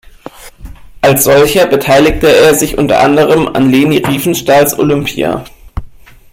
Als solcher beteiligte er sich unter anderem an Leni Riefenstahls "Olympia".